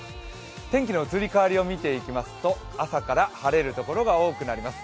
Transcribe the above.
天気の移り変わりを見ていきますと朝から晴れるところが多くなります。